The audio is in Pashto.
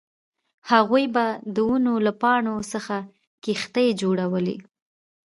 هغوی به د ونو له پاڼو څخه کښتۍ جوړولې